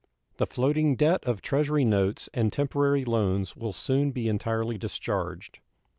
The floating debt of Treasury notes and temporary loans will soon be entirely discharged.